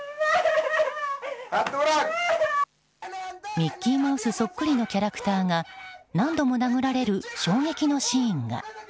ミッキーマウスそっくりのキャラクターが何度も殴られる、衝撃のシーンが。